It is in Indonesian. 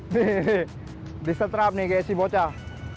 di disetrap nih kayak si bocah